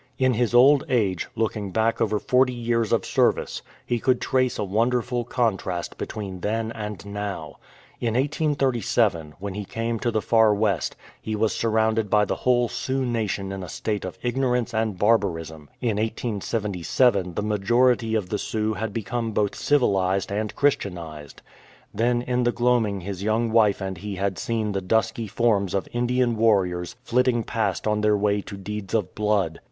In his old age, looking back over forty years of service, he could trace a wonderful contrast between then and now. In 1837, when he came to the Far West, he was surrounded by the Avhole Sioux nation in a state of ignorance and barbarism. In 1877 the majority of the Sioux had become both civilized and Christianized. Then in the gloaming his young wife and he had seen the dusky forms of Indian warriors flitting past on their way to deeds of blood.